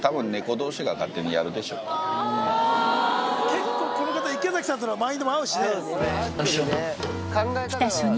結構この方池崎さんとのマインドも合うしね。